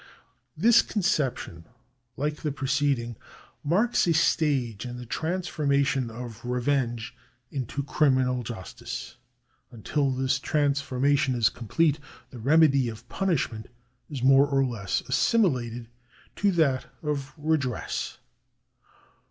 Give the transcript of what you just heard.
This concep tion, like the preceding, marks a stage in the transformation of revenge into criminal justice. Until this transformation is complete, the remedy of punishment is more or less assimi lated to that of redress.